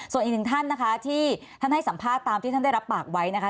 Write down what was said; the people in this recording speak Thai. ส่วนอีกหนึ่งท่านนะคะที่ท่านให้สัมภาษณ์ตามที่ท่านได้รับปากไว้นะคะ